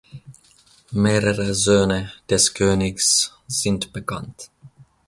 Mehrere Söhne des Königs sind bekannt.